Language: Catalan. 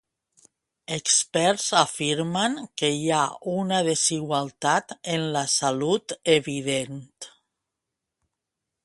Experts afirmen que hi ha una desigualtat en la salut evident.